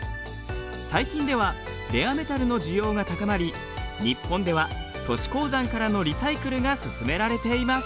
最近ではレアメタルの需要が高まり日本では都市鉱山からのリサイクルが進められています。